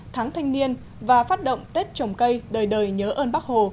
tháng thanh niên và phát động tết trồng cây đời đời nhớ ơn bác hồ